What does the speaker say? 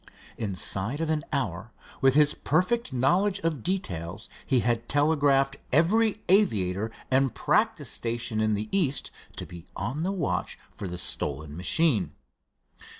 Inside of an hour, with his perfect knowledge of details, he had telegraphed every aviator and practice station in the East to be on the watch for the stolen machine.